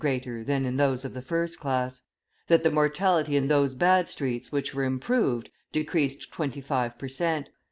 greater than in those of the first class; that the mortality is those bad streets which were improved, decreased 25 per cent.